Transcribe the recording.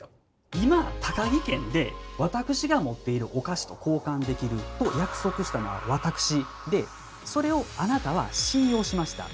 今「タカギ券で私が持っているお菓子と交換できる」と約束したのは私でそれをあなたは信用しました。